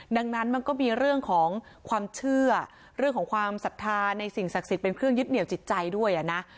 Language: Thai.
ดังนั้นมันก็มีเรื่องของความเชื่อเรื่องของความศรัทธาในสิ่งศักดิ์สิทธิ์เป็นเครื่องยึดเหนียวจิตใจด้วยนะ